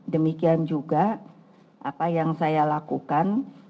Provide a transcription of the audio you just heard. demikian juga apa yang saya lakukan